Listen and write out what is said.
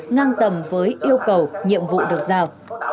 ngang tầm với yêu cầu nhiệm vụ được giao